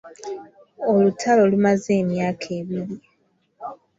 Olutalo lumaze emyaka ebiri.